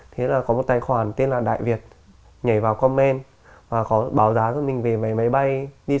thế là có một tài khoản tên là đại việt nhảy vào comment và có báo giá cho mình về máy bay đi sài gòn đi bực